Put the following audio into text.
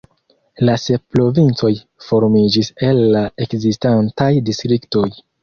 La sep provincoj formiĝis el la ekzistantaj distriktoj.